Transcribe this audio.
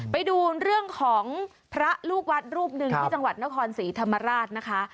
ไปดูเรื่องของพระลูกวัดรูปหนึ่งที่จังหวัดนครศรีธรรมราชนะคะ